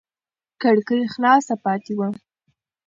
کړکۍ خلاصه پاتې وه.